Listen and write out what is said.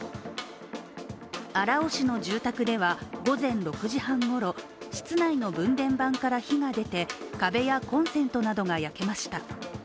荒尾市の住宅では、午前６時半ごろ、室内の分電盤から火が出て壁やコンセントなどが焼けました。